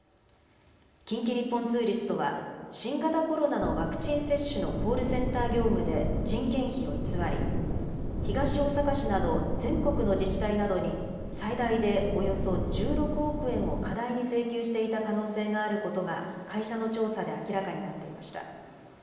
近畿日本ツーリストは新型コロナのワクチン接種のコールセンター業務で人件費を偽り東大阪市など全国の自治体などに最大でおよそ１６億円を過大に請求していた可能性があることが会社の調査で明らかになっていました。